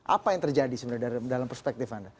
apa yang terjadi sebenarnya dalam perspektif anda